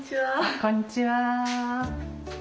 こんにちは。